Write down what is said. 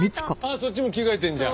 そっちも着替えてるじゃん。